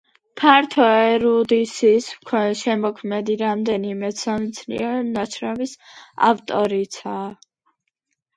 ფართო ერუდიციის მქონე შემოქმედი რამდენიმე სამეცნიერო ნაშრომის ავტორიცაა.